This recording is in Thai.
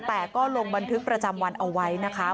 แต่ก็ลงบันทึกประจำวันเอาไว้นะคะ